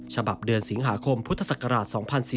ฉบับเดือนสิงหาคมพุทธศักราช๒๔๔